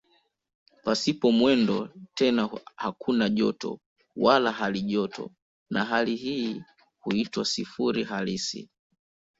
Pasipo mwendo tena hakuna joto wala halijoto na hali hii huitwa "sifuri halisi".